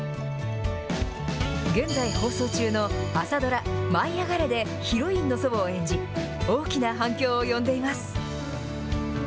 現在放送中の朝ドラ、舞いあがれ！でヒロインの祖母を演じ、大きな反響を呼んでいます。